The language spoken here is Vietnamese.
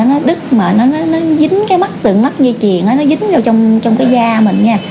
nó đứt mà nó dính cái mắt từ mắt dây triền nó dính vào trong cái da mình